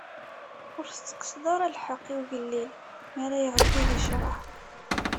Ur tettekkseḍ ara lḥeqq i ugellil mi ara iɛeddi di ccṛeɛ.